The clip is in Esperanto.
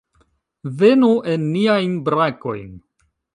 Venu en niajn brakojn!